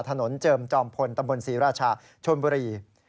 ถนนเจิมจอมพลตมศรีราชาชนพุระยี